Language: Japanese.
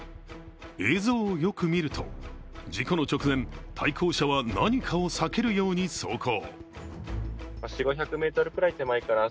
映像をよく見ると、事故の直前、対向車は何かを避けるように走行。